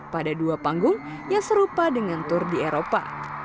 pada dua panggung yang serupa dengan tour di eropa